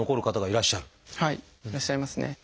いらっしゃいますね。